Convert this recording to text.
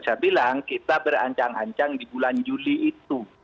saya bilang kita berancang ancang di bulan juli itu